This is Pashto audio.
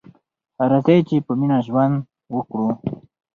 راځئ چې په مینه ژوند وکړو.